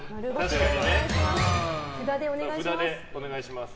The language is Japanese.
札でお願いします。